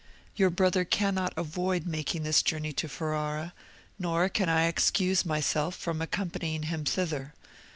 Your brother cannot avoid making this journey to Ferrara, nor can I excuse myself from accompanying him thither.